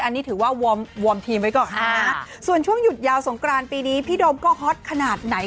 อันนี้ถือว่าวอร์มทีมไว้ก่อนส่วนช่วงหยุดยาวสงกรานปีนี้พี่โดมก็ฮอตขนาดไหน